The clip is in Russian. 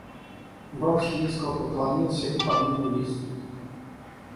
Вронский низко поклонился и подвинул ей стул.